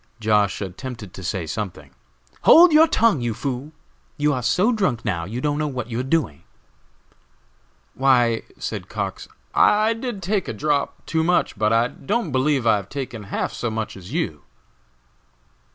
Josh. attempted to say something. "Hold your tongue, you fool! you are so drunk now you don't know what you are doing!" "Why," said Cox, "I did take a drop too much, but I don't believe I have taken half so much as you!"